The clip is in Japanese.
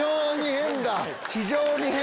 非常に変。